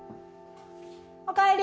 おかえり。